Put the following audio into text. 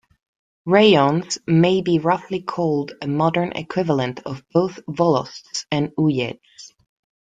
Raions may be roughly called a modern equivalent of both volosts and uyezds.